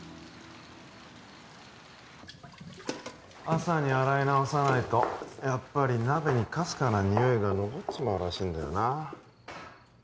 朝に洗い直さないとやっぱり鍋にかすかな匂いが残っちまうらしいんだよな